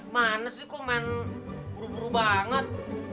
manis sih kok main buru buru banget